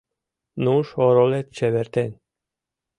Нуж-оролет чевертен.